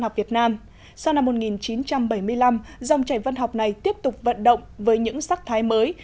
học việt nam sau năm một nghìn chín trăm bảy mươi năm dòng chảy văn học này tiếp tục vận động với những sắc thái mới